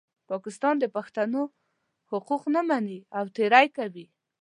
پاکستان د پښتنو حقوق نه مني او تېری کوي.